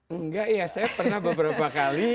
enggak ya saya pernah beberapa kali